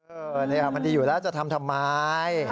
เออเนี่ยมันดีอยู่แล้วจะทำทำไม